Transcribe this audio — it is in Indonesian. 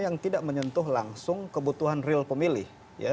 yang tidak menyentuh langsung kebutuhan real pemilih